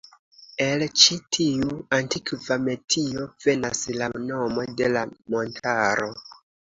El ĉi tiu antikva metio venas la nomo de la montaro.